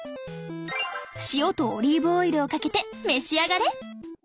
塩とオリーブオイルをかけて召し上がれ！